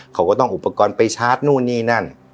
เขาก็ต้องอุปกรณ์ไปชาร์จนู่นนี่นั่น